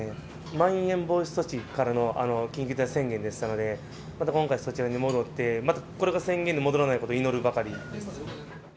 まん延防止措置からのあの緊急事態宣言でしたので、また今回、そちらに戻って、またこれから宣言に戻らないことを祈るばかりです。